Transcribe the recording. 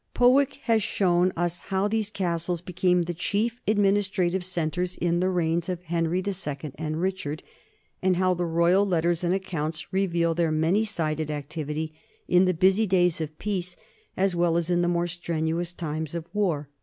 Powicke has shown us how these castles be came the chief administrative centres in the reigns of Henry II and Richard, and how the royal letters and accounts reveal their many sided activity in the busy days of peace as well as in the more strenuous times of war.